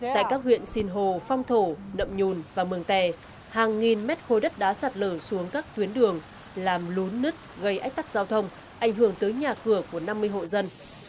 tại các huyện sinh hồ phong thổ đậm nhùn và mường tè hàng nghìn mét khối đất đá sạt lở xuống các tuyến đường làm lún nứt gây ách tắc giao thông ảnh hưởng tới nhà cửa của năm mươi hộ dân